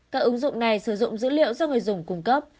các ứng dụng này sử dụng dữ liệu do người dùng cung cấp